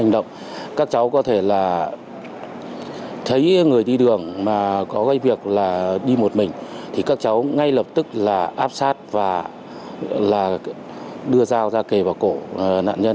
đấy người đi đường mà có gây việc là đi một mình thì các cháu ngay lập tức là áp sát và là đưa dao ra kề vào cổ nạn nhân